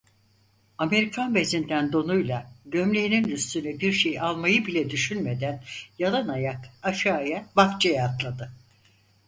Amerikan bezinden donuyla gömleğinin üstüne bir şey almayı bile düşünmeden, yalınayak, aşağıya, bahçeye atladı…